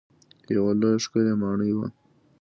یوه لویه ښکلې ماڼۍ وه.